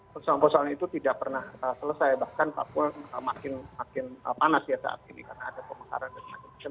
persoalan persoalan itu tidak pernah selesai bahkan papua makin makin panas ya saat ini karena ada pemakaran dan ada